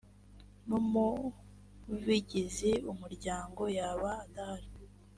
n umuvigizi umuryango yaba adahari